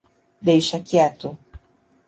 Deixa quieto.